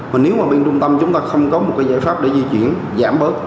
và nếu mà bên trung tâm chúng ta không có một cái giải pháp để di chuyển giảm bớt